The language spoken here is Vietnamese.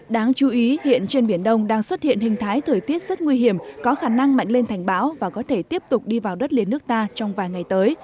đáng chú ý hiện trên biển đông đang xuất hiện hình thái thời tiết rất nguy hiểm có khả năng mạnh lên thành bão và có thể tiếp tục đi vào đất liền nước ta trong vài ngày tới